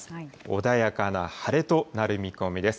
穏やかな晴れとなる見込みです。